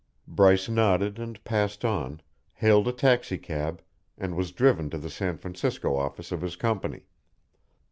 Bryce nodded and passed on, hailed a taxicab, and was driven to the San Francisco office of his company.